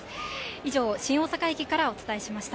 以上、新大阪駅からお伝えしました。